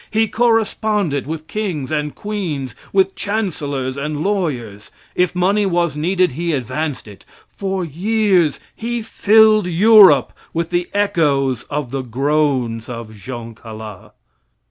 He corresponded with kings and queens, with chancellors and lawyers. If money was needed he advanced it. For years he filled Europe with the echoes of the groans of Jean Calas.